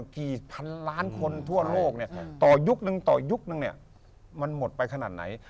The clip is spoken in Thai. กี่พันล้านคนทั่วโลกเนี่ยต่อยุคนึงต่อยุคนึงเนี่ยมันหมดไปขนาดไหน